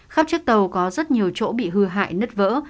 khắp chiếc tàu có rất nhiều chỗ bị hư hại nứt vỡ